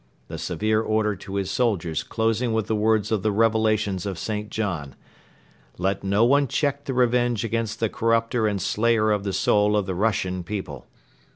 The severe order to his soldiers closing with the words of the Revelations of St. John: "Let no one check the revenge against the corrupter and slayer of the soul of the Russian people.